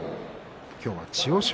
今日は千代翔